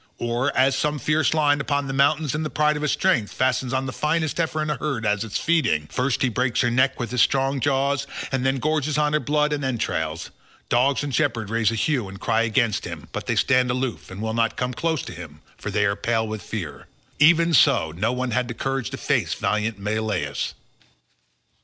Or as some fierce lion upon the mountains in the pride of his strength fastens on the finest heifer in a herd as it is feeding—first he breaks her neck with his strong jaws, and then gorges on her blood and entrails; dogs and shepherds raise a hue and cry against him, but they stand aloof and will not come close to him, for they are pale with fear—even so no one had the courage to face valiant Menelaus.